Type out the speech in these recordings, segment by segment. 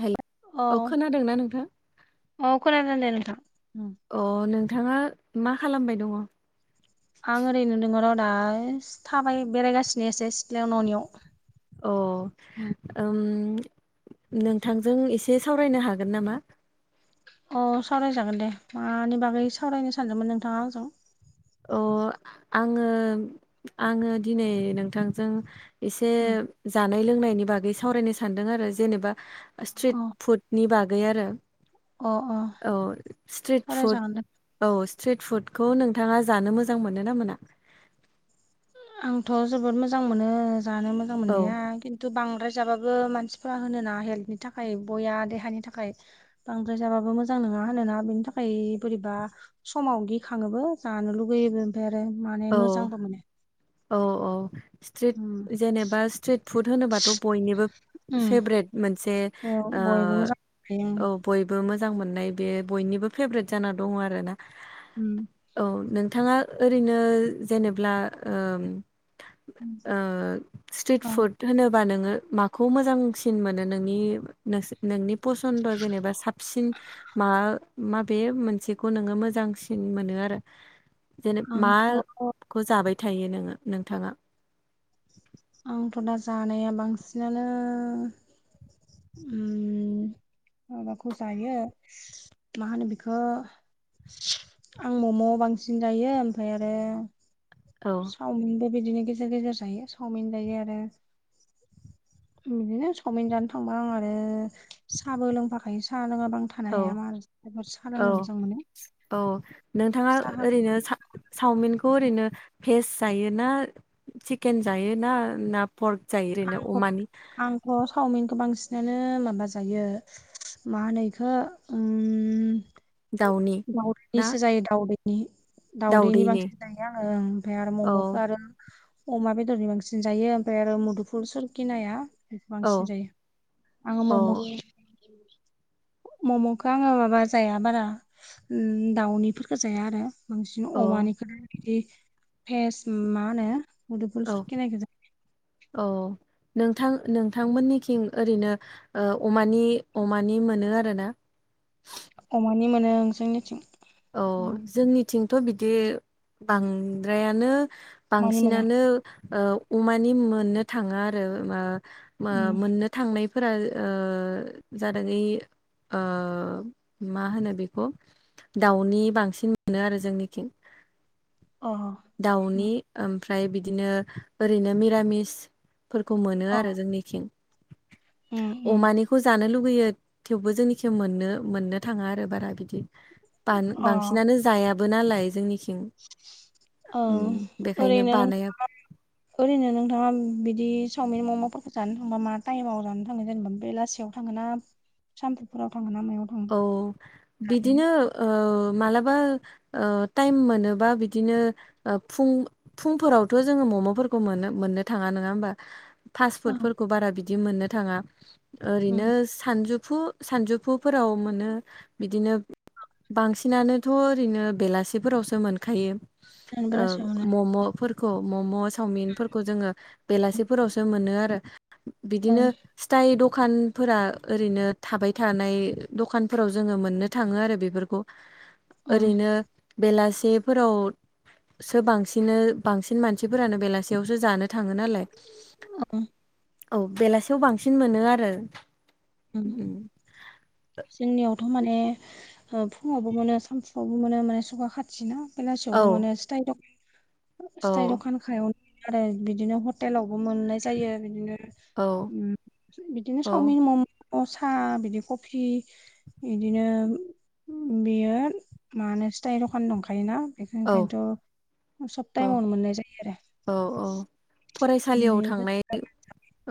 हेल अ खोनादोंना नोंथां अ खोनादों दे नोंथां। अ नोंथाङा मा खालामबाय दङ'? आं ओरैनो दङ' र' दा। थाबाय बेरायगासिनो एसे सिथ्लायाव न'नियाव। अ ओम नोंथांजों एसे सावरायनो हागोन नामा? अ सावरायजागोन दे। मानि बागै सावरायनो सानदोंमोन नोंथाङा आंजों? अ आङो आङो दिनै नोंथांजों एसे अ जानाय लोंनायनि बागै सावरायनो सानदों आरो जेनेबा स्ट्रिट फुडनि बागै आरो अ अ औ स्ट्रिट फुड सावरायजागोन दे औ स्ट्रिट फुडखौ नोंथाङा जानो मोजां मोनो ना मोना? आंथ' जोबोद मोजां मोनो जानो मोजां औ मोननाया। किन बांद्राय जाबाबो मानसिफ्रा होनो नाङा हेल्थनि थाखाय बया देहानि थाखाय बांद्राय जाबाबो मोजां नङा होनोना बिनि थाखाय बोरैबा समाव गिखाङोबो, जानो लुगैयोबो ओमफ्राय आरो माने औ मोजांबो मोनो। औ औ स्ट्रिट जेनेबा स्ट्रिट फुड होनोबाथ' बयनिबो उम फेभ्रेट मोनसे बेयाव ओ बयबो मोजां मोनखायो ओं औ बयबो मोजां मोननाय बे बयनिबो फेभ्रेट जाना दङ आरोना। उम। औ नोंथाङा ओरैनो जेनेब्ला ओम ओ स्ट्रिट औ फुड होनोबा नोङो माखौ मोजांसिन मोनो नोंनि नोंस नोंनि पसन्द जेनेबा साब सिन मा माबे मोनसेखौ नोङो मोजांसिन मोनो आरो जेने आंथ' माखौ जाबाय थायो नोङो नोंथाङा आंथ' दा जानाया बांसिनानो उम [inaudible] माबाखौ जायो मा होनो बेखो आं मम' बांसिन जायो ओमफाय आरो औ चावमिनबो बिदिनो गेजेर गेजेर जायो चावमिन जायो आरो बिदिनो सावमिन जानो थांबा आं आरो साहाबो लोंफाखायो। साहा लोङाबा आं था औ औ औ नोंथाङा साहाखौ ओरैनो सा सावमिनखौ ओरैनो भेेज जायो ना चिकेन जायोना ना पर्क जायो ओरैनो अमानि अ सावमिनखौ बांसिनानो माबा जायो मा होनो इखो ओम दाउनि ना दाउदैनिसो जायो दाउदैनि। दाउदैनि बांसिन जायो आङो ओं ओमफाय आरो औ मम'खो आरो अमा बेदरनि बांसिन जायो ओमफाय आरो मुदुफुल सरकिनाया बेखौ औ बांसिन जायो। आङो औ मम' मम'खो आङो माबा जाया बारा ओम दाउनिफोरखो जाया आरो बांसिन औ अमानिखो बिदि भेस मा होनो मुदुफुल औ सुरखिनायखो जा औ नोंथां नोंथांमोननिखिं ओरैनो ओ अमानि अमानि मोनो आरो ना। अमानि मोनो ओं जोंनिथिं। औ जोंनिथिंथ' बिदि बांद्रायानो अमानि मोना बांसिनानो ओ अमानि मोननो थाङा आरो मा मा उम, मोननो थांनायफोरा ओ जादों ओइ ओ मा होनो बेखौ दाउनि बांसिन मोनो आरो जोंनिखिं। अह। दाउनि ओमफ्राय बिदिनो ओरैनो मिरामिस फोरखौ मोनो अ आरो जोंनिथिं। उम उम, अमानिखौ जानो लुगैयो। थेवबो जोंनिखि मोननो मोननो थाङा आरो बारा बिदि बान अ बांसिनानो जायाबो नालाय जोंनिखिं। ओ उम बेखायनो ओरैनो बानाया ओरैनो नोंथाङा बिदि चावमिन मम'फोरखो जानो थांबा मा टाइमाव जानो थांनाय जेनेबा बेलासेयाव थाङोना सानफुफोराव थाङोना मायाव थाङो? औ जाहैयो बिदिनो ओ मालाबा ओ टाइम मोनोबा बिदिनो ओ फुं फुंफोरावथ' जोङो मम'फोरखौ मोनो मोननो थाङा नोङा ओमबा फास्ट ओं फुडफोरखौ बारा बिदि मोननो थाङा। ओं ओरैनो सानजुफु सानजुफुफोराव मोनो बिदिनो बांसिनानोथ' ओरैनो बेलासेफोरावसो मोनखायो। ओ मम'फोरखौ मम'स सावमिनफोरखौ जोङो बेलासेफोरावसो मोनो आरो बिदिनो स्थाइ दखानफोरा ओरैनो थाबाय थानाय ओ दखानफोराव जोङो मोननो थाङो आरो बेफोरखौ ओं ओरैनो बेलासेफोराव सो बांसिनो बांसिन मानसिफोरानो बेलासेयावसो जानो थाङो नालाय [unintelligible] औ बेलासेयाव बांसिन मोनो आरो। उम जोंनियाव थ' माने ओ फुङावबो मोनो सानसुआवबो मोनो माने सगा खाथिना औ बेलासियावबो मोनो स ताइ द स्थाइ दखान खायाव आरो बिदिनो हटेलावबो मोननाय जायो बिदिनो औ उम बिदिनो औ सावमिन मम' सा बिदि कफि बिदिनो उम बियो मानो स्थाइ दखान दंखायोना बेखो औ ओंखायनथ' सब औ टाइमावनो मोननाय जायो आरो। औ अ फरायसालियाव बे थांनाय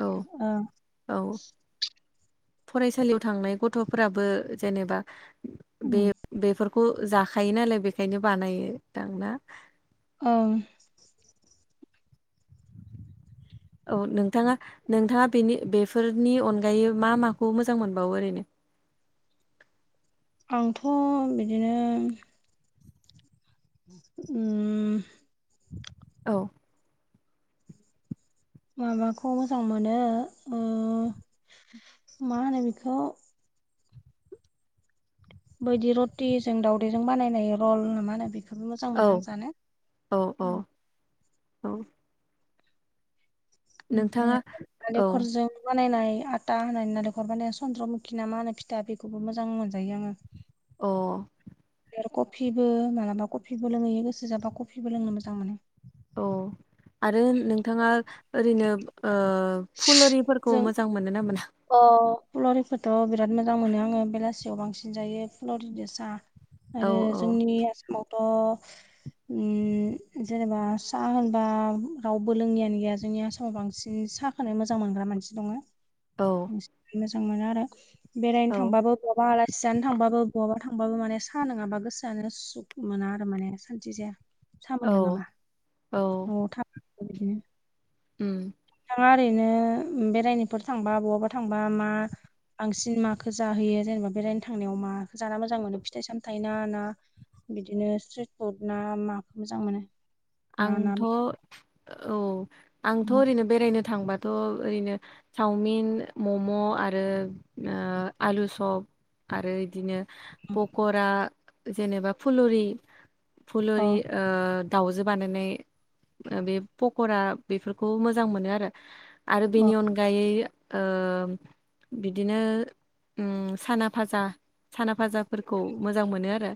औ ओ औ। फरायसालियाव थांनाय गथ'फोराबो जेनेबा बे बेफोर खौ जाखायो नालाय बेखायनो बानायो दां ना। ओं औ नोंथाङा नोंथाङा बेनि बेफोरनि अनगायै मा माखौ मोजां मोनबावो ओरैनो। आंथ' बिदिनो उम उम औ। माबाखौ मोजां मोनो ओ मा होनो बेखौ बायदि रटिजों दावदैजों बानायनाय रल ना मा होनो बेखो मोजां औ मोनो आं जानो औ औ औ। ओमफाय नोंथाङा आरो औ नालेखरजों बानायनाय आटा होनानै नालेंखर बानाय चन्द्रमुखि ना मा होनो फिथा बेखौबो मोजां मोनजायो आङो। अ फाय आरो कफिबो मालाबा कफिबो लोंहैयो गोसो जाबा कफिबो लोंनो मोजां मोनो। औ आरो नोंथाङा ओरैनो ओ फुलरिफोरखौ मोजां मोनोना मोना? अ फुलरिखोथ' बिराद मोजां मोनो आङो बेलासियाव बांसिन जायो फुलरिदो सा [inaudible] आरो जोंनि आसामावथ'। ओम जेनेबा सा होनबा रावबो लोङियानो गैया जोंनि आसामाव बांसिन सा। खोनो मोजां मोनग्रा मानसि दङो। औ। मोजां मोनो आरो बेरायनो औ थांबाबो बहाबा आलासि जानो थांबाबो बहाबा थांबाबो माने सा नोङाबा गोसोआनो सु सुख मोना आरो माने सानथि जाया। साहा औ मोनलोङाबा औ न'आव थाब बिदिनो उम नोंथाङा ओरैनो बेरायनोफोर थांबा बवाबा थांबा मा बांसिन माखो जाहोयो जेनेबा बेरायनो थांनायाव मा जाना मोजां मोनो फिथाइ सामथाइ ना ना बिदिनो स्ट्रिट फुड ना माखौ मोजां मोनो। ना ना आंथ बेदर? औ आंथ अ ओरैनो बेरायनो थांबाथ ओरैनो। चावमिन मम' आरो ओ आलु सप आरो इदिनो। पकरा जेनेबा फुलरि फुलरि अ ओ दावजो। बानायनाय ओ बे पकरा बेफोरखौ मोजां मोनो आरो। आरो अ बेनि अनगायै। ओ बिदिनो ओम साना भाजा साना भाजा। फोरखौ मोजां मोनो आरो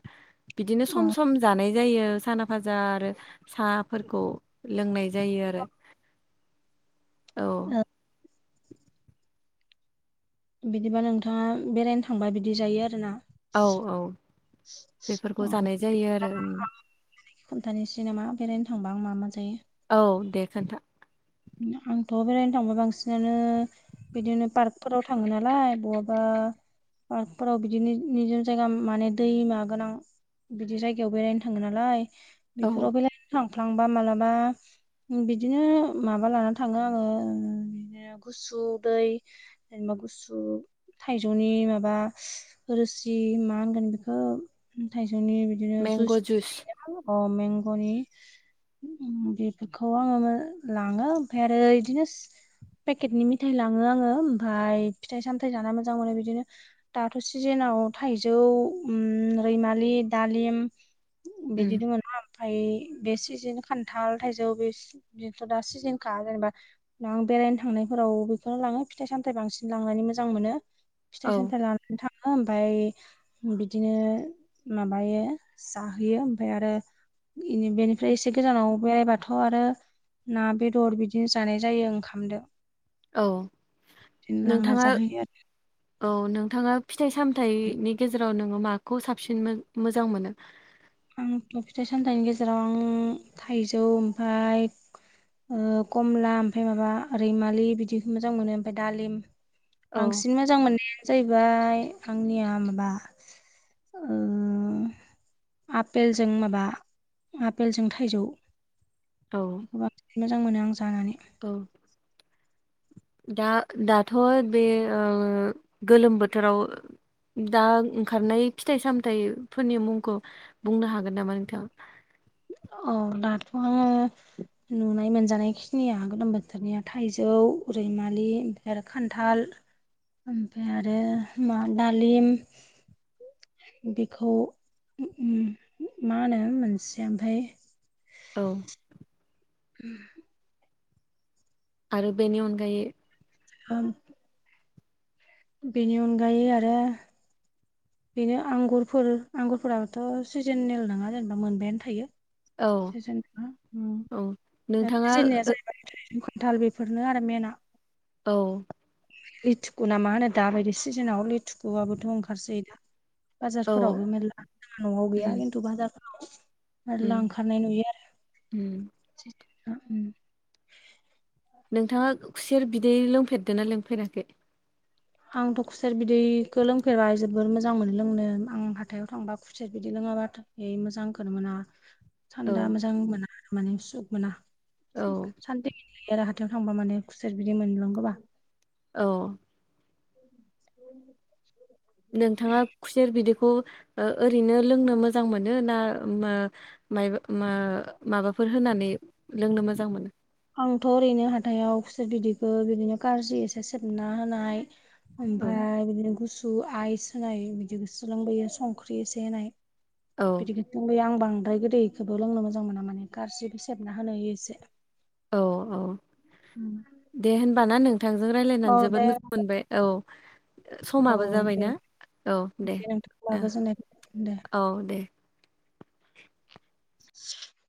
बिदिनो सम ओ सम जानाय जायो साना भाजा आरो सा फोरखौ लोंनाय जायो आरो औ ओ बिदिबा नोंथाङा बेरायनो थांबा बिदि जायो आरोना? औ औ बेफोरखौ जानाय जायो आरो उम खोन्थानिसै नामा बेरायनो थांबा आं मा मा जायो। औ दे खोन्था। ओम आंथ' बेरायनो थांबाय बांसिनानो बिदिनो पार्कफोराव थाङो नालाय बहाबा पार्कफोराव बिदिनो निजोम जायगा माने दैमा गोनां बिदि जायगायाव बेरायनो थाङो नालाय औ बेफोराव बेरायनो थांफ्लांबा मालाबा बिदिनो माबा लाना थाङो आङो ओम बिदिनो गुसु दै जेनेबा गुसु थाइजौनि माबा रोसि मा होनगोन बिखो थाइजौनि बिदिनो जुस बुंजायो ना? अ मेंग'नि बेफोरखौ ओम आङो लाङो ओमफ्राय आरो इदिनो पेकेटनि मिथाइ लाङो आङो ओमफाय फिथाइ सामथाइ जाना मोजां मोनो बिदिनो। दाथ' सिजेनाव थाइजौ ओम रैमालि दालिम उम बिदि दङो ना ओमफाय बेसिजिन खान्थाल थाइजौ बेसि दि बेथ' दा सिजेनखा जेनेबा ना आं बेरायनो थांनायफोराव बेखौनो लाङो फिथाइ सामथाइ बांसिन लांनानै मोजां मोनो। फिथाइ औ सामथाइ लानानै थाङो ओमफाय बिदिनो माबायो जाहोयो ओमफाय आरो इनि बेनिफ्राय एसे गोजानाव बेरायबाथ' आरो ना बेदर बिदिनो जानाय जायो ओंखामजों। औ लांना नोंथाङा। जाहोयो औ नोंथाङा फिथाइ सामथाइनि गेजेराव नोङो माखौ साबसिन मोजां मोनो? आंथ' फिथाइ सामथाइनि गेजेराव आं थाइजौ ओमफाय ओ कमला ओमफाय माबा रैमालि बिदिखो मोजां मोनो ओमफाय दालिम। औ बांसिन मोजां मोननायानो जाहैबाय आंनिया माबा ओ आफेलजों माबा आपेलजों थाइजौ। औ बेखौ बांसिन मोजां मोनो आं जानानै। औ दा दाथ' बे ओ गोलोम बोथोराव दा ओंखारनाय फिथाइ सामथायाइफोरनि मुंखौ बुंनो हागोन नामा नोंथां? औ दाथ' नुनाय मोनजानाय खिनिया गोलोम बोथोरनिया थाइजौ, रैमालि। आरो खान्थाल ओमफ्राय आरो मा दालिम। बिखौ उ उम मा होनो मोनसे ओमफ्राय औ। उम आरो बेनि अनगायै। [unintelligible] बेनि अनगायै आरो बेनो आंगुरफोर आंगुरफोराबथ' सिजेनेल नङा जेनेबा मोनबायानो थायो। औ दाज औ जाह। नोंथाङा [unintelligible] खान्थाल बेफोरनो आरो मेेनना। औ लिथुखु ना मा होनो दाबायदि सिजोनाव लिथुकुआबोथ' ओंखारसै दा। औ बाजारफोरावबो मेरला न'आव उम गैया खिन्थु बाजारफोराव उम मेरला ओंखारनाय नुयो। उम। [unintelligible] ओ उम। नोंथाङा खुसेर बिदै लोंफेरदों ना लोंफेराखै? आंथ' खुसेर बिदैखौ लोंफेरबाय जोबोर मोजां मोनो लोंनो आं हाथायाव थांबा खुसेर बिदै लोङाब्लाथा ओइ मोजां खौनो मोनना। औ थान्दा मोजां मोना माने सुख मोना औ उम सान्थि जायो आरो हाथायाव थांबा माने खुसेर बिदि मोनलोंबो बा। औ। [unintelligible] नोंथाङा खुसेर बिदैखौ ओ ओरैनो लोंनो मोजां मोनो ना मा मायबा माबाफोर होनानै लोंनो मोजां मोनो? आंथ' ओरैनो हाथायाव खुसेर बिदैखौ बिदिनो खारज्रि एसे सेबना होनाय। औ ओमफाय बिदिनो गुसु आइस होनाय बिदि गोसोलोंबोयो संख्रि एसे होनाय। औ बिदिखिसो लोंबोयो आं बांद्राय गोदैखौबो लोंनो मोजां मोना माने खारज्रिबो सेबना होनोयो एसे। औ औ दे होनबाना नोंथांजों औ रायज्लायनानै दे जोबोद मोजां मोनबाय। औ ओ औ समाबो दे जाबायना औ दे नोंथां होमबा ओ। गोजोननाय थाबाय दे औ दे। [inaudible]